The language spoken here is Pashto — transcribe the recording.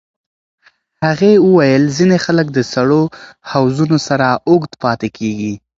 هغې وویل ځینې خلک د سړو حوضونو سره اوږد پاتې کېږي.